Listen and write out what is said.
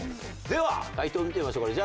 では解答見てみましょうか。